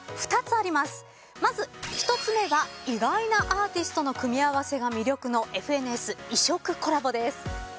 まず１つ目は意外なアーティストの組み合わせが魅力の『ＦＮＳ』異色コラボです。